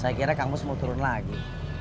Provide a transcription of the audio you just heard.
saya kira kamus mau turun lagi